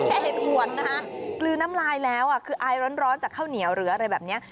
เห็นห่วงนะคะกลืนน้ำลายแล้วคืออายร้อนจากข้าวเหนียวหรืออะไรแบบนี้